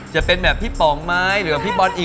จะเป็นแบบพี่ป๋องมั้ยหรือพี่ปอนด์อีก